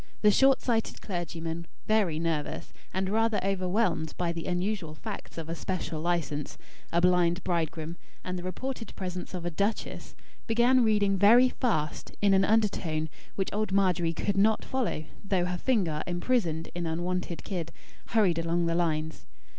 The short sighted clergyman, very nervous, and rather overwhelmed by the unusual facts of a special license, a blind bridegroom, and the reported presence of a duchess, began reading very fast, in an undertone, which old Margery could not follow, though her finger, imprisoned in unwonted kid, hurried along the lines.